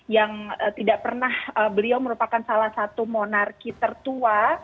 yang tidak pernah beliau merupakan salah satu monarki tertua